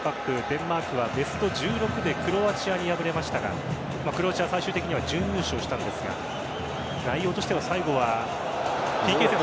デンマークはベスト１６でクロアチアに敗れましたがクロアチアは最終的には準優勝したんですが内容としては最後はＰＫ戦。